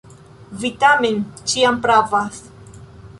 Vi, tamen, ĉiam pravas.